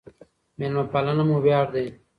ميلمه پالنه مو وياړ دی.